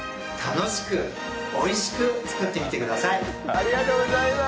ありがとうございます！